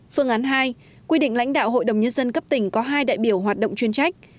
phương án hai quy định lãnh đạo hội đồng nhân dân cấp tỉnh có hai đại biểu hoạt động chuyên trách